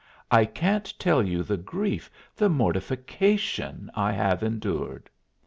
I can't tell you the grief, the mortification, I have endured."